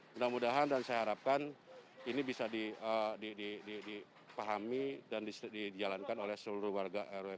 mudah mudahan dan saya harapkan ini bisa dipahami dan dijalankan oleh seluruh warga rw